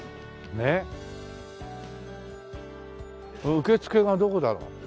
受付がどこだろう？